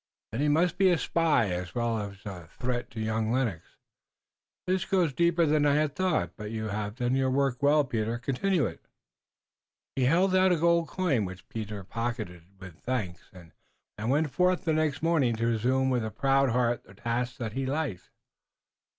"Then he must be a spy as well as a threat to young Lennox. This goes deeper than I had thought, but you haf done your work well, Peter. Continue it." He held out a gold coin, which Peter pocketed with thanks, and went forth the next morning to resume with a proud heart the task that he liked.